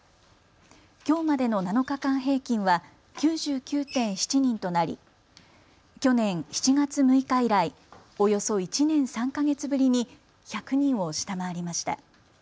きょうまでの７日間平均は９９．７人となり去年７月６日以来およそ１年３か月ぶりに１００人を下回りました。